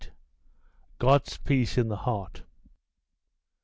GOD'S PEACE IN THE HEART.